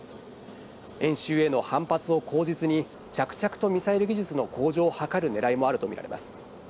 演習への反発を口実に着々とミサイル技術の向上を図るねらいもあるとみられます。